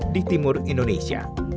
di timur indonesia